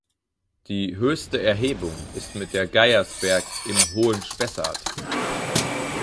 Die höchste Erhebung ist mit der Geiersberg im "Hohen Spessart".